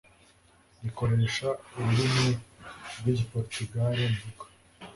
rikoresha ururimi rw igiporutugali mvuga